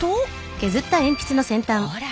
ほら！